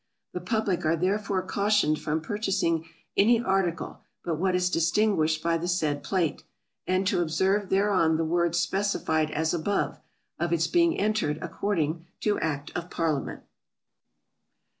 The Public are therefore cautioned from purchasing any article but what is distinguished by the said plate, and to observe thereon the words specified as above, of its being entered according to Act of Parliament.